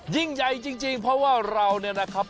ยิ่งใหญ่จริงเพราะว่าเราเนี่ยนะครับ